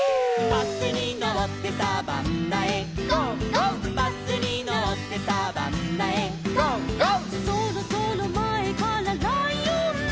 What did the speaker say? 「バスにのってサバンナへ」「ゴーゴー」「バスにのってサバンナへ」「ゴーゴー」「そろそろまえからライオン」